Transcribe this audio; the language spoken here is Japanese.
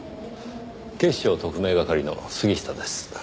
警視庁特命係の杉下です。